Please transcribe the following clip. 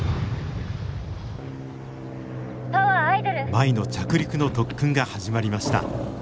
舞の着陸の特訓が始まりました。